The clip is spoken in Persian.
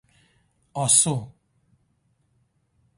آسو